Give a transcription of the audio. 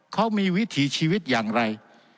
เขามีวิถีชีวิตอย่างไร